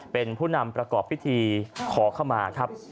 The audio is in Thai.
เป็นผู้นำประกอบพิธีขอเข้ามาครับ